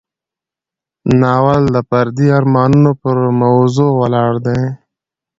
ناول د فردي ارمانونو پر موضوع ولاړ دی.